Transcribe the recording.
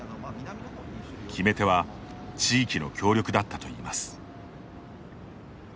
決め手は地域の協力だったといいます。